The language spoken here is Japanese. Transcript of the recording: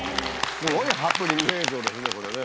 すごいハプニング映像ですね、これね。